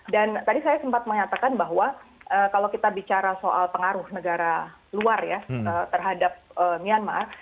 dan tadi saya sempat menyatakan bahwa kalau kita bicara soal pengaruh negara luar ya terhadap myanmar